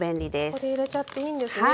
ここで入れちゃっていいんですね。